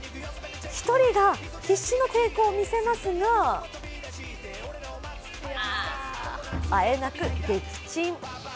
１人が必死の抵抗を見せますがあえなく撃沈。